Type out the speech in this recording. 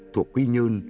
thuộc quy nhơn